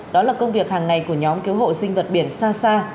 đó là công việc hàng ngày của nhóm cứu hộ sinh vật biển xa xa